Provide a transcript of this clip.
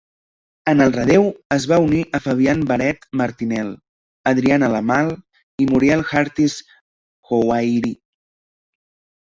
En el relleu, es va unir a Fabienne Beret-Martinel, Adrianna Lamalle i Muriel Hurtis-Houairi.